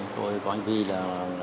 tôi có hành vi là